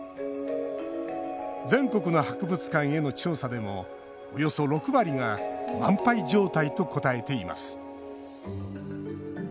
全国の博物館への調査でもおよそ６割が「満杯状態」と答えています。